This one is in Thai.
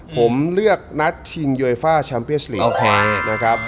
ผมเลือกนัดชิงเยอร์ฟ่าแชมป์เบียสลิงค์